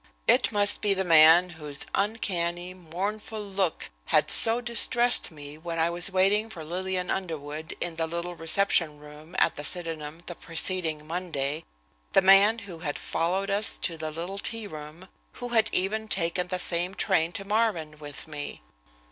It must be the man whose uncanny, mournful look had so distressed me when I was waiting for Lillian Underwood in the little reception room at the Sydenham the preceding Monday, the man who had followed us to the little tea room, who had even taken the same train to Marvin with me.